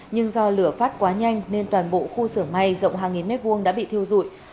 nhưng do lửa phát quá nhanh nên toàn bộ khu sưởng may rộng hàng nghìn mét vuông đã bị thiêu dụi